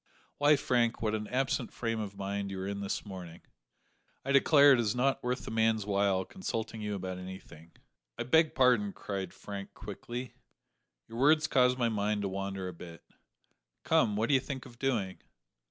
Why, Frank, what an absent frame of mind you are in this morning! I declare it is not worth a man's while consulting you about anything." "I beg pardon," cried Frank quickly, "your words caused my mind to wander a bit. Come, what do you think of doing?"